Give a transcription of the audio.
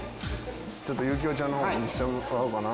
ちょっと行雄ちゃんの方も見せてもらおうかな。